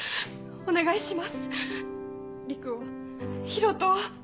お願いします。